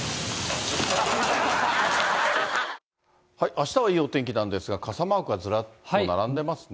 あしたはいいお天気なんですが、傘マークがずらっと並んでますね。